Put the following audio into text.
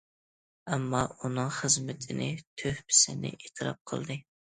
ئامما ئۇنىڭ خىزمىتىنى، تۆھپىسىنى ئېتىراپ قىلدى.